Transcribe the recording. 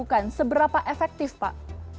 melakukan seberapa efektif pak